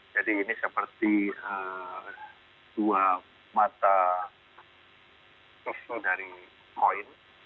jadi ini seperti dua mata isu dari poin